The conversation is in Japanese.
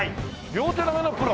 両手投げのプロ？